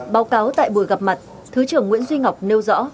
báo cáo tại buổi gặp mặt thứ trưởng nguyễn duy ngọc nêu rõ